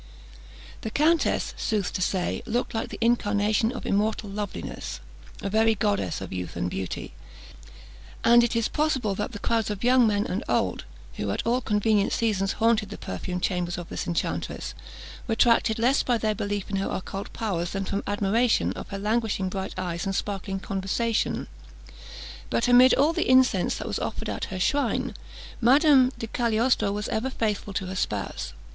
The countess, sooth to say, looked like an incarnation of immortal loveliness, a very goddess of youth and beauty; and it is possible that the crowds of young men and old, who at all convenient seasons haunted the perfumed chambers of this enchantress, were attracted less by their belief in her occult powers than from admiration of her languishing bright eyes and sparkling conversation. But amid all the incense that was offered at her shrine, Madame di Cagliostro was ever faithful to her spouse.